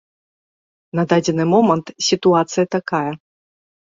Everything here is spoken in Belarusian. На дадзены момант сітуацыя такая.